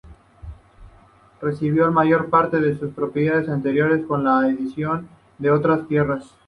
Recibió la mayor parte de sus propiedades anteriores, con la adición de otras tierras.